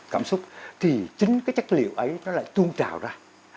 cảm xúc thì chính cái chất liệu ấy nó lại tuôn trào ra